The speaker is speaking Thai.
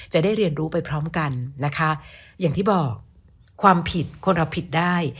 จะได้เรียนรู้ไปพร้อมกันนะคะอย่างที่บอกความผิดคนรับผิดได้